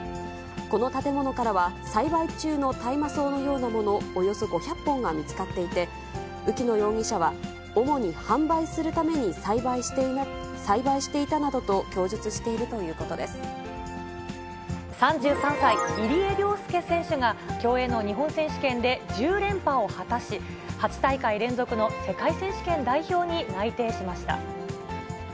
この建物からは、栽培中の大麻草のようなものおよそ５００本が見つかっていて、浮野容疑者は、主に販売するために栽培していたなどと供述しているということで３３歳、入江陵介選手が、競泳の日本選手権で１０連覇を果たし、８大会連続の世界選手権代表に内定しました。